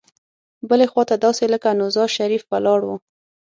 بلې خوا ته داسې لکه نوزا شریف ولاړ وو.